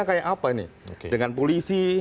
kayak apa ini dengan polisi